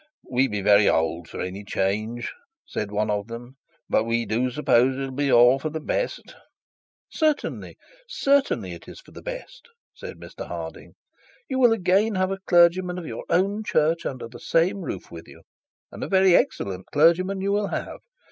'We be very old for any change,' said one of them; 'but we do suppose it be all for the best.' 'Certainly certainly, it is for the best,' said Mr Harding. 'You will again have a clergyman of your own church under the same roof with you, and a very excellent clergyman you will have.